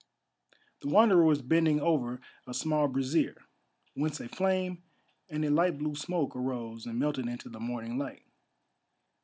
The Wanderer was bending over a small brazier, whence a flame and a light blue smoke arose and melted into the morning light.